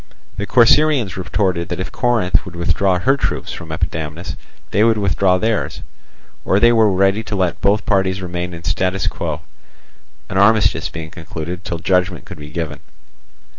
The Corcyraeans retorted that if Corinth would withdraw her troops from Epidamnus they would withdraw theirs, or they were ready to let both parties remain in statu quo, an armistice being concluded till judgment could be given.